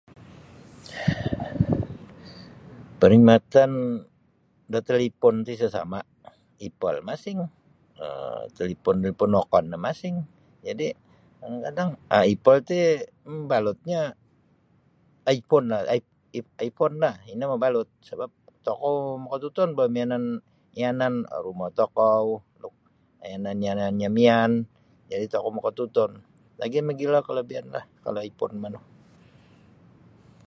Perkhidmatan da talipon ti isa sama' apple masing um talipon-talipon wokon no masing jadi' kadang-kadang um apple ti mabalutnyo iphonelah iphone iphone no ino mabalut sabap tokou makatutun boh biyanan yanan rumo tokou yanan-yanannyo miyan jadi' tokou makatutun lagi mogilo kalabianlah kalau iphone manu.